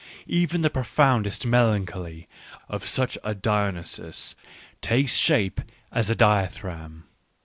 Even the profoundest melancholy of such a Dionysus takes shape as a dithyramb.